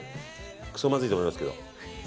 くそまずいと思いますけど。